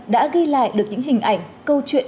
đã ghi lại được những hình ảnh câu chuyện